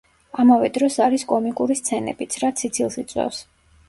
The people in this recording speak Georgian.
ამავე დროს არის კომიკური სცენებიც, რაც სიცილს იწვევს.